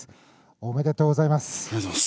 おめでとうございます。